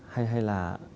hay hay là